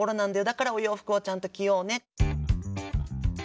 だからお洋服はちゃんと着ようね。